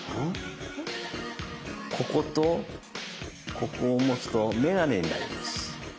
こことここを持つと眼鏡になります。